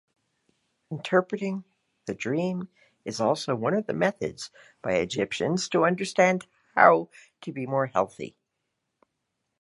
Interpreting the dream is also one of the methods by Egyptians to understand how to be more healthy.